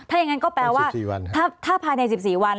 ถ้าอย่างนั้นก็แปลว่าถ้าภายใน๑๔วัน